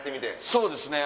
そうですね